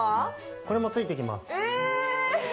これもついてきます。